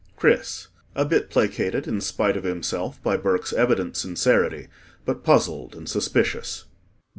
CHRIS [A bit placated, in spite of himself, by BURKE'S evident sincerity but puzzled and suspicious.